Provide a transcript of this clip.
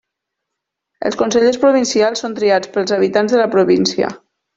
Els consellers provincials són triats pels habitants de la província.